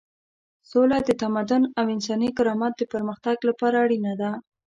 سوله د تمدن او انساني کرامت د پرمختګ لپاره اړینه ده.